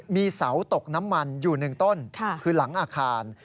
มีเสาตกน้ำมันอยู่๑ต้นคือหลังอาคาร